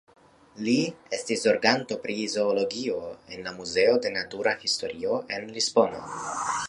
Li estis zorganto pri zoologio en la Muzeo de Natura Historio en Lisbono.